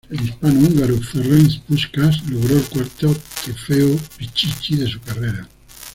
El hispano-húngaro Ferenc Puskás logró el cuarto Trofeo Pichichi de su carrera.